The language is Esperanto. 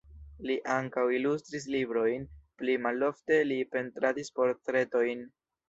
Li ankaŭ ilustris librojn, pli malofte li pentradis portretojn.